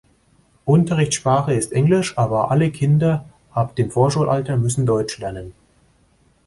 Unterrichtssprache ist Englisch, aber alle Kinder ab dem Vorschulalter müssen Deutsch lernen.